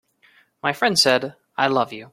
My friend said: "I love you.